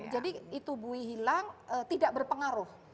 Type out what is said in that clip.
jadi itu bui hilang tidak berpengaruh